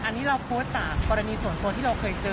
อันนี้เราโพสต์จากกรณีส่วนตัวที่เราเคยเจอ